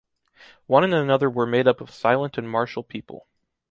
One and another were made up of silent and martial people.